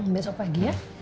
besok pagi ya